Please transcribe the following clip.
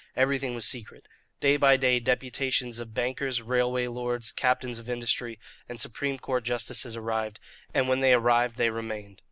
Everything was secret. Day by day deputations of bankers, railway lords, captains of industry, and Supreme Court justices arrived; and when they arrived they remained.